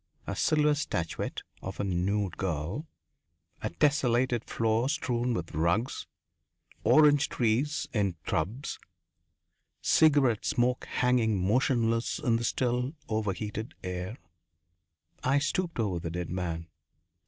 A silver statuette of a nude girl. A tessellated floor strewn with rugs. Orange trees in tubs. Cigarette smoke hanging motionless in the still, overheated air.... I stooped over the dead man.